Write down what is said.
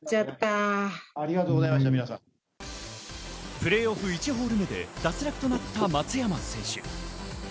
プレーオフ、１ホール目で脱落となった松山選手。